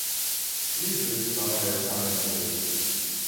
Liczby przemawiają same za siebie